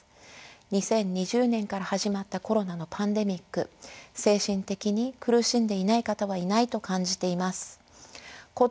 ２０２０年から始まったコロナのパンデミック精神的に苦しんでいない方はいないと感じています。